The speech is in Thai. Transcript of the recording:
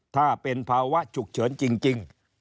ถ้าเป็นภาวะฉุกเฉินจริง